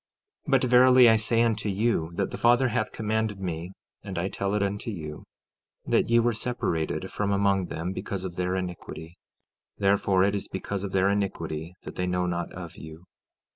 15:19 But, verily, I say unto you that the Father hath commanded me, and I tell it unto you, that ye were separated from among them because of their iniquity; therefore it is because of their iniquity that they know not of you.